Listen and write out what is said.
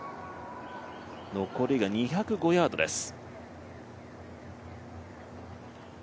残りが２０５ヤードです。